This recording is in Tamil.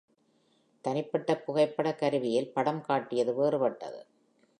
தனிப்பட்ட புகைப்பட கருவி யில் படம் காட்டியது வேறுபட்டது.